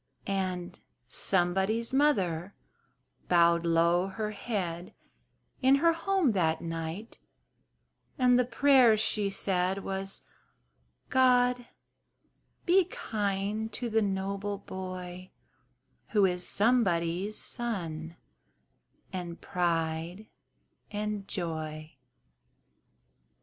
And "somebody's mother" bowed low her head In her home that night, and the prayer she said Was "God be kind to the noble boy, Who is somebody's son, and pride and joy!"